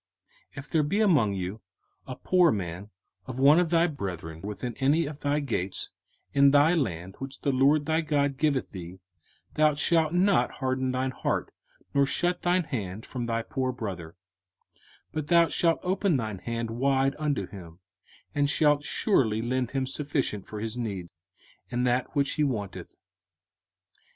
05:015:007 If there be among you a poor man of one of thy brethren within any of thy gates in thy land which the LORD thy God giveth thee, thou shalt not harden thine heart, nor shut thine hand from thy poor brother: 05:015:008 But thou shalt open thine hand wide unto him, and shalt surely lend him sufficient for his need, in that which he wanteth.